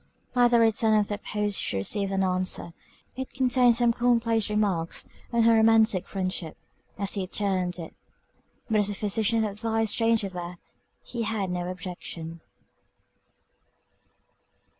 By the return of the post she received an answer; it contained some common place remarks on her romantic friendship, as he termed it; "But as the physicians advised change of air, he had no objection."